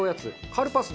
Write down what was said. カルパス？